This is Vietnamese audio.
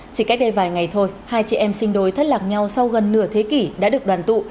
chỉ cách đây vài ngày thôi hai chị em sinh đôi thất lạc nhau sau gần nửa thế kỷ đã được đoàn tụ